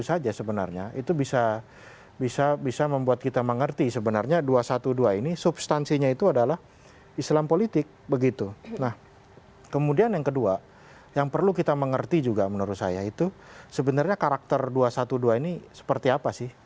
tentu saja sebenarnya itu bisa bisa bisa membuat kita mengerti sebenarnya dua ratus dua belas ini substansinya itu adalah islam politik begitu nah kemudian yang kedua yang perlu kita mengerti juga menurut saya itu sebenarnya karakter dua ratus dua belas ini seperti apa sih